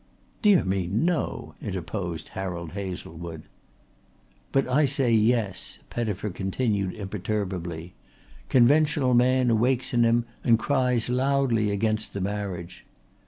"Dear me, no," interposed Harold Hazlewood. "But I say yes," Pettifer continued imperturbably. "Conventional man awakes in him and cries loudly against the marriage.